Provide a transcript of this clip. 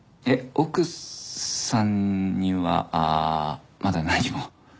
えっ奥さんにはまだ何も。